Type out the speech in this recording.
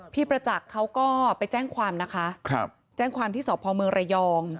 พี่ประจักษ์เขาก็ไปแจ้งความนะคะแจ้งความที่สมรย